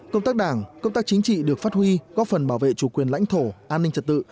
công tác đảng công tác chính trị được phát huy góp phần bảo vệ chủ quyền lãnh thổ an ninh trật tự